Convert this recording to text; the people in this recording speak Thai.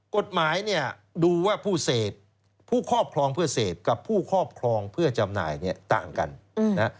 กฎหมายเนี่ยดูว่าผู้เสพผู้ครอบครองเพื่อเสพกับผู้ครอบครองเพื่อจำหน่ายเนี่ยต่างกันนะฮะ